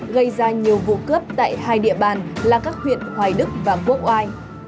gây ra nhiều vụ cướp tại hai địa bàn là các huyện hoài đức và quốc oai